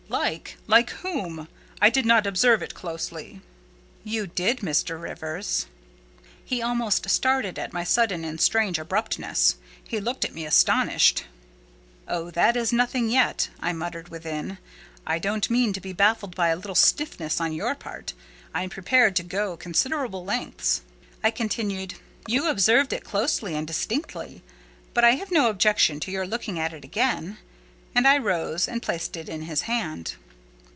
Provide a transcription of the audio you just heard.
"Like! Like whom? I did not observe it closely." "You did, Mr. Rivers." He almost started at my sudden and strange abruptness: he looked at me astonished. "Oh, that is nothing yet," I muttered within. "I don't mean to be baffled by a little stiffness on your part; I'm prepared to go to considerable lengths." I continued, "You observed it closely and distinctly; but I have no objection to your looking at it again," and I rose and placed it in his hand.